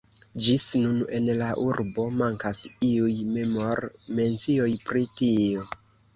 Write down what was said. Ĝis nun en la urbo mankas iuj memor-mencioj pri tio.